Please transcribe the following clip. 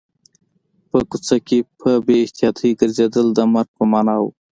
په کوڅه کې په بې احتیاطۍ ګرځېدل د مرګ په معنا و